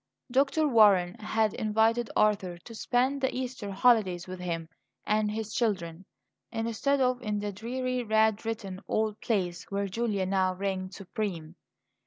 Dr. Warren had invited Arthur to spend the Easter holidays with him and his children, instead of in the dreary, rat ridden old place where Julia now reigned supreme.